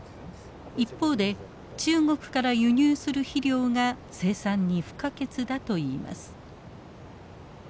一方で中国から輸入する肥料が生産に不可欠だといいます。